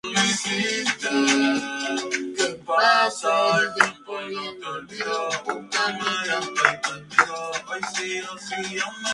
Era el gobernador civil más joven de toda España.